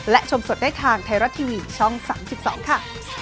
และชมสดได้ทางไทยรัฐทีวีช่อง๓๒ค่ะ